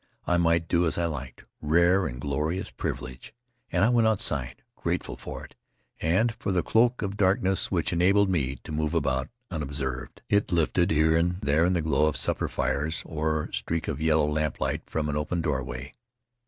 I might do as I liked — rare and glorious privilege — and I went outside, grateful for it, and for the cloak of darkness which enabled me to move about Faery Lands of the South Seas unobserved. It lifted here and there in the glow of supper fires, or a streak of yellow lamplight from an open doorway.